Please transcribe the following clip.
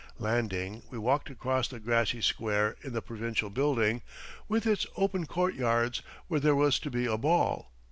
Landing, we walked across the grassy square to the provincial building, with its open courtyards, where there was to be a ball.